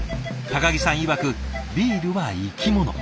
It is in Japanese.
木さんいわくビールは生き物。